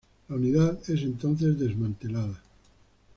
La unidad es entonces desmantelada.